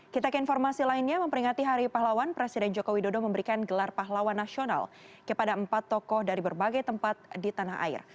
kita ke informasi lainnya memperingati hari pahlawan presiden joko widodo memberikan gelar pahlawan nasional kepada empat tokoh dari berbagai tempat di tanah air